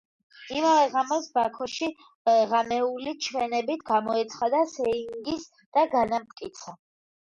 იმავე ღამეს ბაქოსი ღამეული ჩვენებით გამოეცხადა სერგის და განამტკიცა.